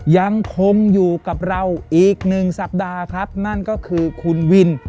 ยังคงอยู่กับเราอีกหนึ่งสัปดาห์ครับนั่นก็คือคุณวิน